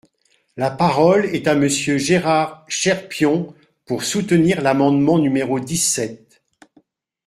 La parole est à Monsieur Gérard Cherpion, pour soutenir l’amendement numéro dix-sept.